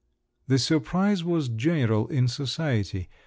The surprise was general in society.